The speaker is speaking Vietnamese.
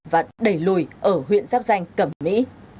và đẩy lùi ở huyện giáp danh cẩm mỹ